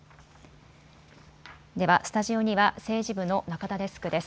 ではスタジオには政治部の中田デスクです。